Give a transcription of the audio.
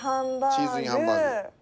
「チーズＩＮハンバーグ」。